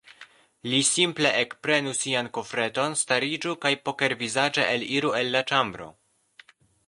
Li simple ekprenu sian kofreton, stariĝu kaj pokervizaĝe eliru el la ĉambro.